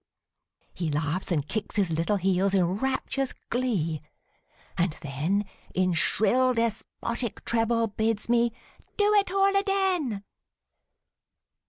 He laughs and kicks his little heels in rapturous glee, and then In shrill, despotic treble bids me "do it all aden!"